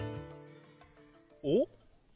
おっ？